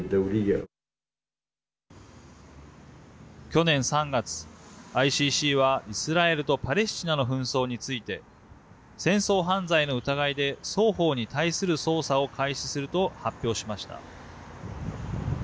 去年３月、ＩＣＣはイスラエルとパレスチナの紛争について戦争犯罪の疑いで双方に対する捜査を開始すると発表しました。